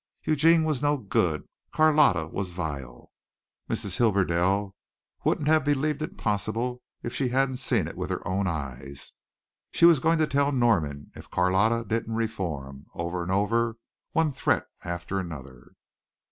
Eugene was no good. Carlotta was vile. Mrs. Hibberdell wouldn't have believed it possible if she hadn't seen it with her own eyes. She was going to tell Norman if Carlotta didn't reform over and over, one threat after another.